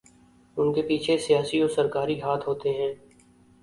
انکے پیچھے سیاسی و سرکاری ہاتھ ہوتے ہیں